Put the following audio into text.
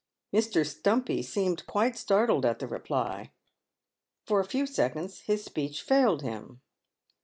Mr. Stumpy seemed quite startled at the reply. For a few seconds his speech failed him.